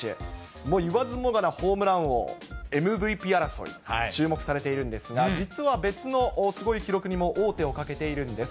もう言わずもがな、ホームラン王、ＭＶＰ争い、注目されているんですが、実は別のすごい記録にも王手をかけているんです。